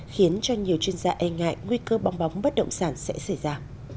khiến cho nhiều chuyên gia e ngại nguy cơ bong bóng bất động sản sẽ xảy ra